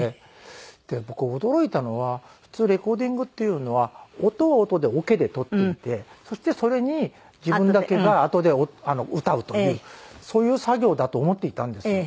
僕驚いたのは普通レコーディングっていうのは音は音でオケで録っていてそしてそれに自分だけがあとで歌うというそういう作業だと思っていたんですよ。